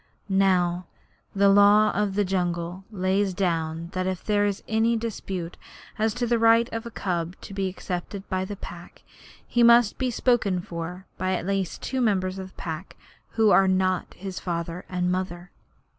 Now the Law of the Jungle lays down that if there is any dispute as to the right of a cub to be accepted by the Pack, he must be spoken for by at least two members of the Pack who are not his father and mother.